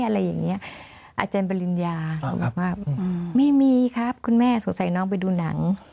อะไรอย่างนี้อาจารย์ปริญญาเขาบอกว่าไม่มีครับคุณแม่สงสัยน้องไปดูหนัง